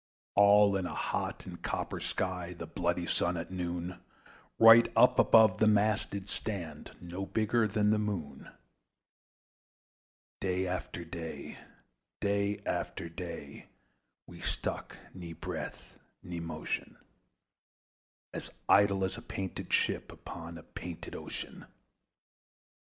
All in a hot and copper sky, The bloody Sun, at noon, Right up above the mast did stand, No bigger than the Moon. Day after day, day after day, We stuck, nor breath nor motion; As idle as a painted ship Upon a painted ocean.